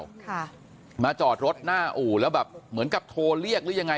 ค่ะมาจอดรถหน้าอู่แล้วแบบเหมือนกับโทรเรียกหรือยังไง